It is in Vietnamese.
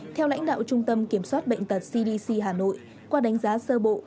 theo lãnh đạo trung tâm kiểm soát bệnh tật cdc hà nội qua đánh giá sơ bộ